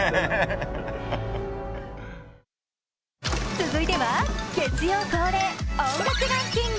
続いては月曜恒例、音楽ランキング。